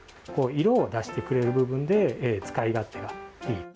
色を出してくれる部分で使い勝手がいい。